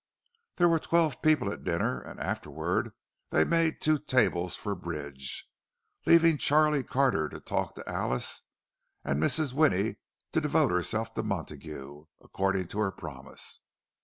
There were twelve people at dinner, and afterward they made two tables for bridge, leaving Charlie Carter to talk to Alice, and Mrs. Winnie to devote herself to Montague, according to her promise.